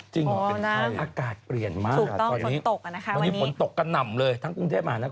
จริงหรอกว่าเป็นยังไง